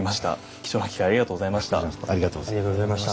貴重な機会をありがとうございました。